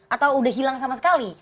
atau udah hilang sama sekali